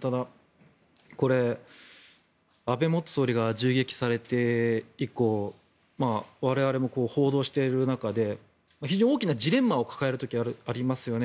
ただ、これ安倍元総理が銃撃されて以降我々も報道している中で大きなジレンマを抱える時がありますよね。